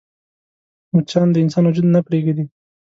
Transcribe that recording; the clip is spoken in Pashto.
مچان د انسان وجود نه پرېږدي